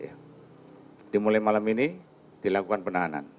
jadi mulai malam ini dilakukan penahanan